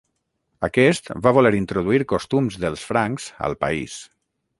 Aquest va voler introduir costums dels francs al país.